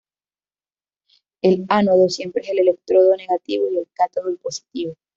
El ánodo siempre es el electrodo negativo y el cátodo el positivo.